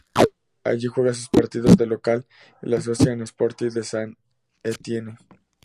Allí juega sus partidos de local el Association Sportive de Saint-Étienne.